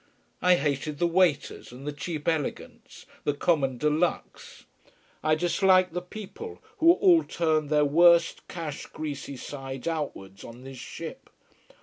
I hated the waiters, and the cheap elegance, the common de luxe. I disliked the people, who all turned their worst, cash greasy sides outwards on this ship.